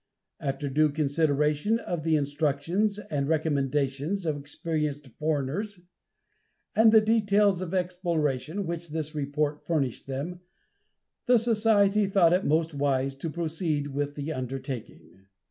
After due consideration of the instructions and recommendations of experienced foreigners, and the details of exploration, which this report furnished them, the society thought it most wise to proceed with the undertaking.